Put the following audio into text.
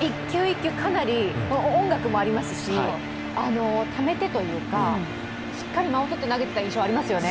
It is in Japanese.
一球一球かなり、音楽もありますしためてというか、しっかり間をとって投げていた印象がありますよね。